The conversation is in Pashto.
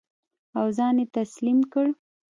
او ځان یې تسلیم کړ.